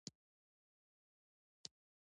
سرچینې ارزښتناکې دي.